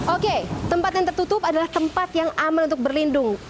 oke tempat yang tertutup adalah tempat yang aman untuk berlindung